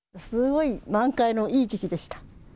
すごい、満開のいい時期でした。